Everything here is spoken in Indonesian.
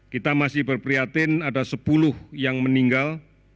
kita masih berprihatin ada sepuluh yang meninggal